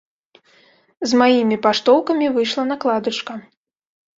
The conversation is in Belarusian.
З маімі паштоўкамі выйшла накладачка.